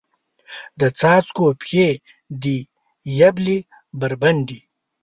د څاڅکو پښې دي یبلې بربنډې